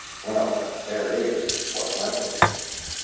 "Well, there it is. What's left of it."